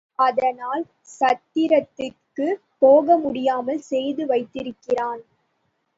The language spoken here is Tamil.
அதனால் சத்திரத்திற்குப் போக முடியாமல் செய்து வைத்திருக்கிறான்.